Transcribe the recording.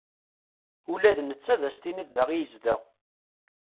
Ula d netta ad as-tiniḍ da i yezdeɣ.